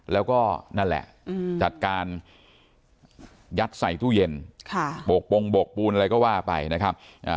แล้วก็นั่นแหละจัดการยัดใส่ตู้เย็นโบกโปรงโบกปูนอะไรก็ว่าไปนะครับ